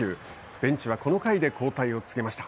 ベンチはこの回で交代を告げました。